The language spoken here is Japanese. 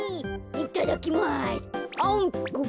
いただきます。